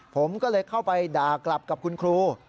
ผมก็เลยเข้าไปด่ากลับกับคุณครู